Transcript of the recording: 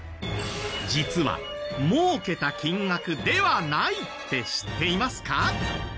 実は儲けた金額ではないって知っていますか？